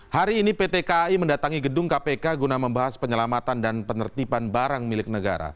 hari ini pt kai mendatangi gedung kpk guna membahas penyelamatan dan penertiban barang milik negara